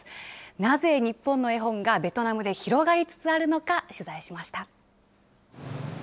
なぜ日本の絵本がベトナムで広がりつつあるのか取材しました。